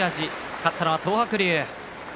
勝ったのは東白龍。